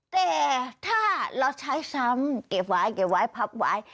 แต่ถ้าเราใช้ซ้ำเก็บไว้เก็บไว้พับไว้